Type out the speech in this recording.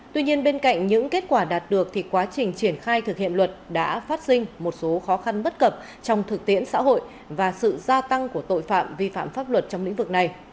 tuy nhiên bên cạnh những kết quả đạt được thì quá trình triển khai thực hiện luật đã phát sinh một số khó khăn bất cập trong thực tiễn xã hội và sự gia tăng của tội phạm vi phạm pháp luật trong lĩnh vực này